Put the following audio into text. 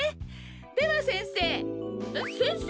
では先生えっ先生！？